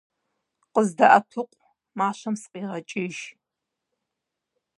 КъыздэӀэпыкъу! Мащэм сыкъигъэкӀыж!